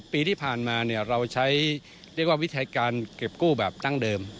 ปีที่ผ่านมาเราใช้เรียกว่าวิธีการเก็บกู้แบบดั้งเดิม